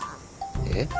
えっ？